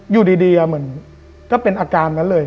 อยู่ดีเหมือนก็เป็นอาการนั้นเลย